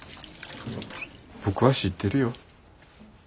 僕は知ってるよ。